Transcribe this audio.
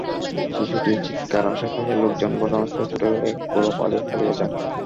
শিশুটির চিৎকারে আশপাশের লোকজন ঘটনাস্থলে ছুটে গেলে কোরব আলী পালিয়ে যান।